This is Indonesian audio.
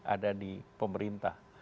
ada di pemerintah